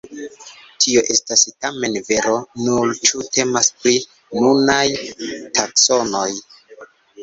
Tio estas tamen vero nur ĉu temas pri nunaj taksonoj.